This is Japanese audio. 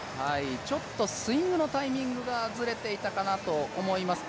ちょっとスイングのタイミングがずれていたかなと思います。